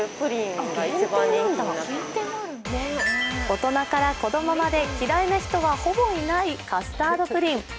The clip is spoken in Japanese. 大人から子供まで嫌いな人はほぼいないカスタードプリン。